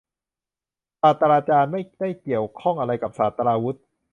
ศาสตราจารย์ ไม่ได้เกี่ยวข้องอะไรกับศาสตราวุธ